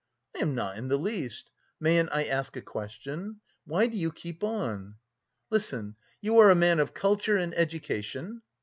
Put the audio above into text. "I am not in the least. Mayn't I ask a question? Why do you keep on...?" "Listen, you are a man of culture and education?"